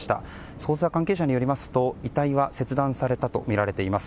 捜査関係者によりますと、遺体は切断されたとみられています。